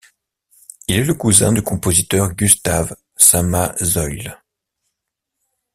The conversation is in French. Il est le cousin du compositeur Gustave Samazeuilh.